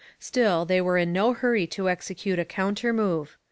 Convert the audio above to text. Still, they were in no hurry to execute a counter move.